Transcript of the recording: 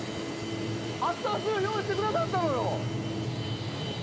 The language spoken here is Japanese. アツアツのを用意してくださったのよ！